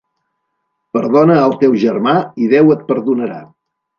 Perdona el teu germà i Déu et perdonarà.